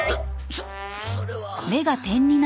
そっそれは。